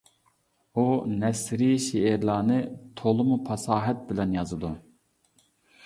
ئۇ نەسرىي شېئىرلارنى تولىمۇ پاساھەت بىلەن يازىدۇ.